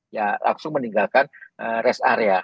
ya langsung meninggalkan rest area